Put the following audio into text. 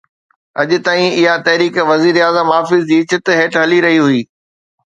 اڄ تائين اها تحريڪ وزيراعظم آفيس جي ڇت هيٺ هلي رهي هئي.